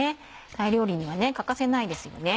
タイ料理には欠かせないですよね